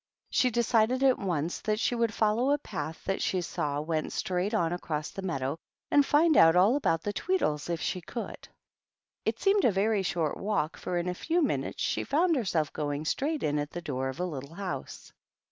She decided at once that she would follow a path that she saw went straight on across the meadow, and find out all about the Tweedles if she could. It seemed a very short walk, for in a few minutes she found herself going straight in at the door of a little house.